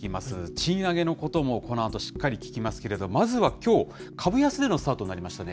賃上げのこともこのあとしっかり聞きますけれども、まずはきょう、株安でのスタートになりましたね。